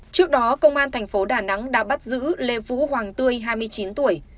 trước đó công an thành phố đà nẵng đã bắt giữ lê vũ hoàng tươi hai mươi chín tuổi